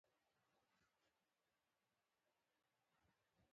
افغانستان د غوښې کوربه دی.